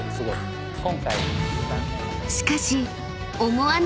［しかし］